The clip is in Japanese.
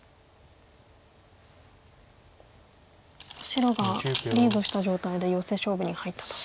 白がリードした状態でヨセ勝負に入ったと。